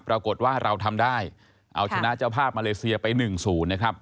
ราวกดว่าเราทำได้เอาชนะเจ้าภาพมาเลเซียไปหนึ่งศูนย์นะครับ